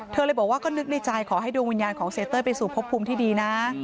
เลยบอกว่าก็นึกในใจขอให้ดวงวิญญาณของเสียเต้ยไปสู่พบภูมิที่ดีนะ